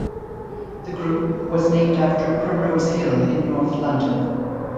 The group was named after Primrose Hill in North London.